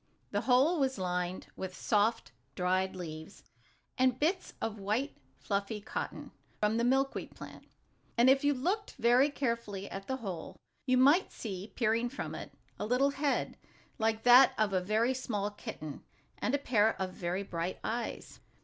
The hole was lined with soft, dried leaves, and bits of white, fluffy cotton, from the milkweed plant. And, if you looked very carefully at the hole, you might see, peering from it, a little head, like that of a very small kitten, and a pair of very bright eyes.